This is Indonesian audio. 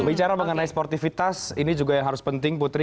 bicara mengenai sportivitas ini juga yang harus penting putri